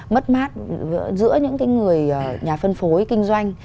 mất mát giữa những người nhà phân phối kinh doanh